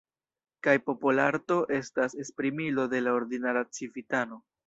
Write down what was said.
Kaj popolarto estas esprimilo de la ordinara civitano.